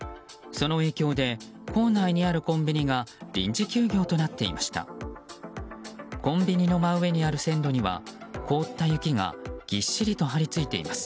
その影響で構内にあるコンビニが臨時休業となっていました。